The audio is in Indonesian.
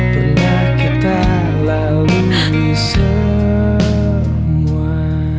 tengah kita lalui semua